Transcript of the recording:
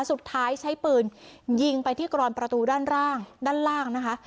สุดท้ายใช้ปืนยิงไปที่กรอนประตูด้านล่างด้านล่างนะคะ